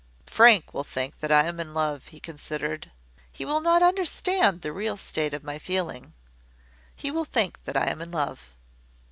"Frank will think that I am in love," he considered. "He will not understand the real state of my feeling. He will think that I am in love.